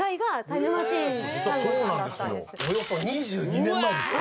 およそ２２年前です。